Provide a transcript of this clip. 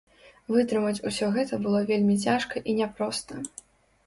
Вытрымаць усё гэта было вельмі цяжка і няпроста.